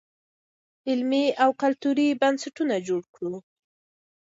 علمي او کلتوري بنسټونه جوړ کړو.